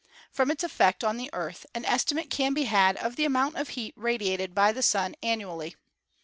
From its effect on the Earth an estimate can be had of the amount of heat radiated by the Sun annually.